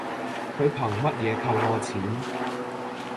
佢憑乜嘢扣我錢